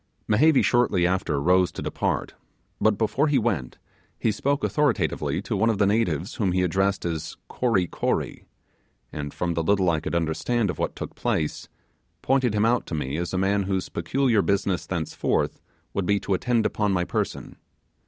Mehevi shortly after rose to depart; but before he went he spoke authoritatively to one of the natives whom he addressed as Kory Kory; and from the little I could understand of what took place, pointed him out to me as a man whose peculiar business thenceforth would be to attend upon my person.